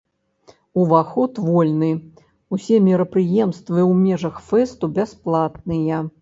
Уваход вольны, усе мерапрыемствы ў межах фэсту бясплатныя.